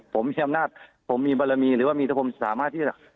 ผมมีอำนาจผมมีบารมีหรือว่ามีแต่ผมสามารถที่จะ